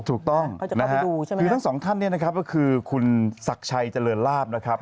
ถูกต้องนะฮะคือทั้งสองท่านเนี่ยนะครับก็คือคุณศักดิ์ชัยเจริญลาบนะครับ